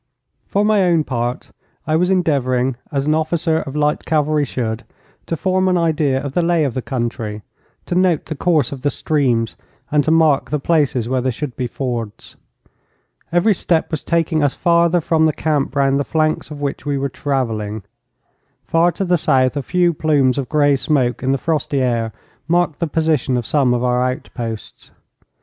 For my own part I was endeavouring, as an officer of light cavalry should, to form an idea of the lay of the country, to note the course of the streams, and to mark the places where there should be fords. Every step was taking us farther from the camp round the flanks of which we were travelling. Far to the south a few plumes of grey smoke in the frosty air marked the position of some of our outposts.